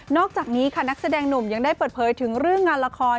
อกจากนี้ค่ะนักแสดงหนุ่มยังได้เปิดเผยถึงเรื่องงานละคร